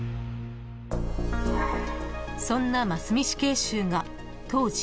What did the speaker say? ［そんな真須美死刑囚が］